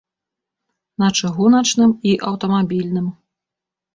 На чыгуначным і аўтамабільным.